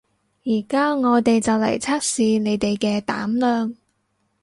而家我哋就嚟測試你哋嘅膽量